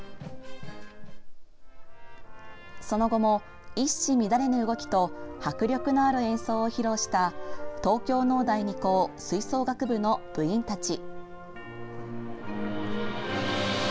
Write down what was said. その後も一糸乱れぬ動きと迫力のある演奏を披露した東京農大二高吹奏楽部の部員たち。